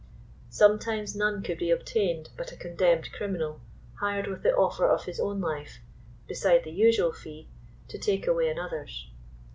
Some times none could be obtained but a condemned criminal, hired with the offier of his own life, beside the usual fee, to take away another's.